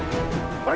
kau jangan terbiasa